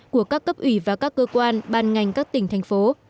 của các cấp ủy và các cơ quan ban ngành các tỉnh thành phố